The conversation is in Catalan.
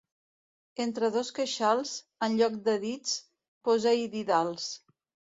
Entre dos queixals, en lloc de dits, posa-hi didals.